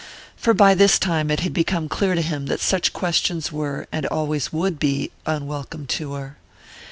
For by this time it had become clear to him that such questions were, and always would be, unwelcome to her.